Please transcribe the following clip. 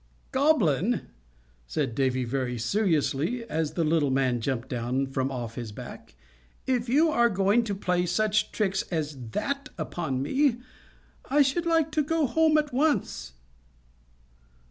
"Goblin," said Davy, very seriously, as the little man jumped down from off his back, "if you are going to play such tricks as that upon me I should like to go home at once."